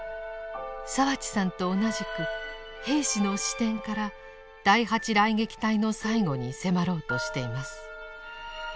澤地さんと同じく兵士の視点から第８雷撃隊の最期に迫ろうとしています。